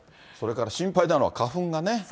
それから心配なのが花粉がね。